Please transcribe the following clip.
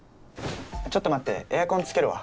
ちょっと待ってエアコンつけるわ。